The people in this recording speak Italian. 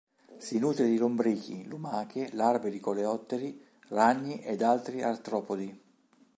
Si nutre di lombrichi, lumache, larve di coleotteri, ragni ed altri artropodi.